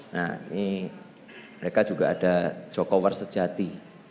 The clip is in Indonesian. nah ini mereka juga ada jokower sejati